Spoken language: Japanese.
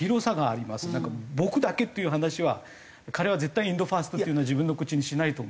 僕だけっていう話は彼は絶対インドファーストっていうのは自分の口にしないと思う。